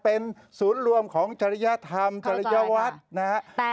เป็นศูนย์รวมจริยธรรมจริยวัฒน์นะฮะ